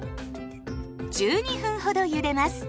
１２分ほどゆでます。